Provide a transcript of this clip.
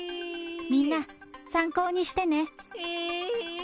みんな参考にしてね。